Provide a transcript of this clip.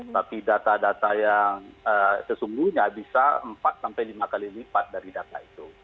tapi data data yang sesungguhnya bisa empat sampai lima kali lipat dari data itu